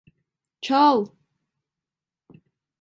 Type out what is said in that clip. Çal!